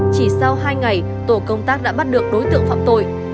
chỉ sau hai ngày tổ công tác đã bắt được đối tượng phạm tội